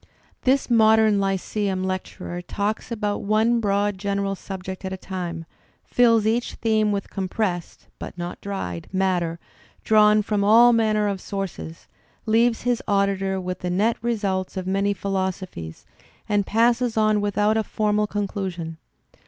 This modem lyceum lecturer talks about one broad general subject at a time, fills each theme with compressed (but not dried) matter drawn from all manner of sources, leaves his auditor with the net results of many philosophies, and passes on without a formal con clusion.